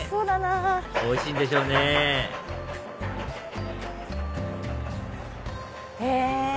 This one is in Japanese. おいしいんでしょうねへぇ。